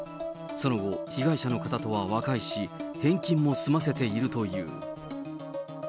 その後、被害者の方とは和解し、返金も済ませているという。